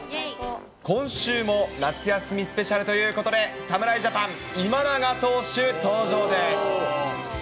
今週も夏休みスペシャルということで、侍ジャパン、今永投手、登場です。